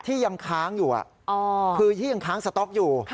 ที่ยังค้างอยู่คือที่ยังค้างสต๊อกอยู่